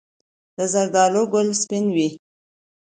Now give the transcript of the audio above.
د زردالو ګل سپین وي؟